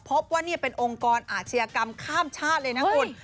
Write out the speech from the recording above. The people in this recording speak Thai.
พบว่านี่เป็นองค์กรอาชญากรรมข้ามชาติเลยนะคุณ